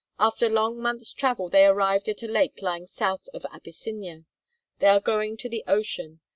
After long months' travel they arrived at a lake lying south of Abyssinia. They are going to the ocean.